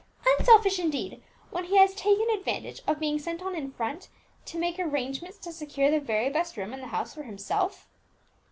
"Unselfish indeed! when he has taken advantage of being sent on in front to make arrangements to secure the very best room in the house for himself!"